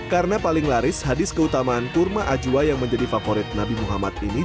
karena paling laris hadis keutamaan kurma ajwa yang menjadi favorit nabi muhammad ini